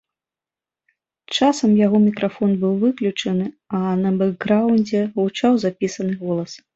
Часам яго мікрафон быў выключаны, а на бэкграўндзе гучаў запісаны голас.